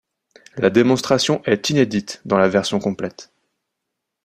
La démonstration est inédite dans la version complète.